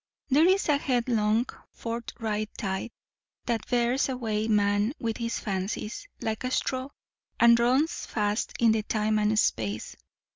There is a headlong, forthright tide, that bears away man with his fancies like a straw, and runs fast in time and space.